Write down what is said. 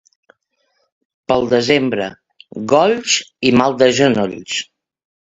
Pel desembre, golls i mal de genolls.